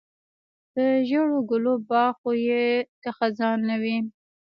د ژړو ګلو باغ خو یې که خزان نه وي.